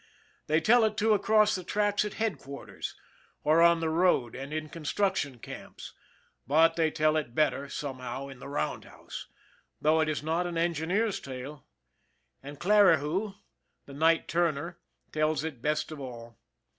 They tell it, too, across the tracks at headquarters, or on the road and in construction camps; but they tell it better, somehow, in the roundhouse, though it is not an engineer's tale and Clarihue, the night turner, tells it best of all.